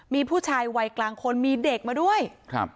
มีผู้ชายวัยกลางคนมีเด็กมาด้วยครับ